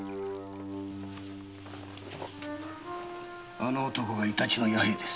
あの男がイタチの弥平です。